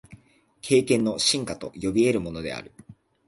経験の深化と呼び得るものである。